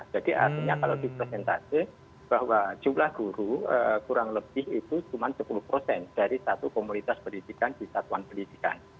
jadi artinya kalau dipresentasi bahwa jumlah guru kurang lebih itu cuma sepuluh dari satu komunitas pendidikan di satuan pendidikan